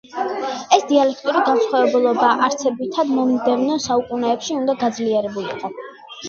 ეს დიალექტური განსხვავებულობა არსებითად მომდევნო საუკუნეებში უნდა გაძლიერებულიყო.